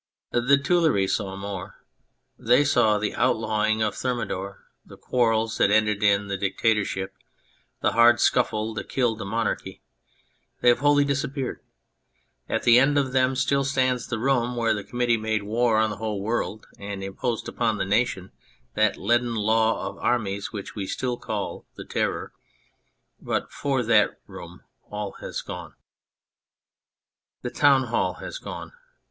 The Tuileries saw more. They saw the outlawing of Thermidor, the quarrels that ended in the dic tatorship, the hard scuffle that killed the monarchy. They have wholly disappeared. At the one end of them still stands the room where the committee made war on the whole world, and imposed upon the nation that leaden law of armies which we still call the Terror. But for that room all has gone. The town hall has gone.